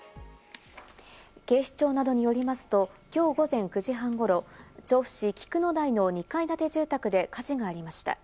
警視庁などによりますと、きょう午前９時半ごろ、調布市菊野台の２階建て住宅で火事がありました。